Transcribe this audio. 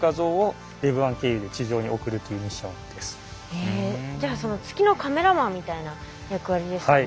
へえじゃあ月のカメラマンみたいな役割ですね。